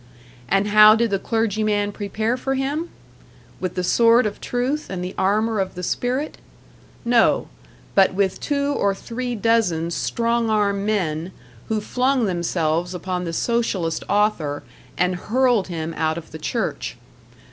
And how did the clergyman prepare for him? With the sword of truth and the armor of the spirit? No but with two or three dozen strong arm men, who flung themselves upon the Socialist author and hurled him out of the church.